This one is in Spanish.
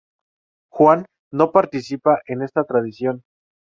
Juan no participa en esta tradición.